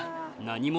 何？